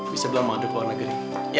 bisa belom mau aduk luar negeri